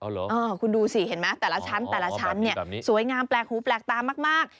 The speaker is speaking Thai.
อ๋อเหรอคุณดูสิเห็นไหมแต่ละชั้นเนี่ยสวยงามแปลกหูแปลกตามาก